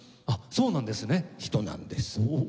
あっそうなんですね。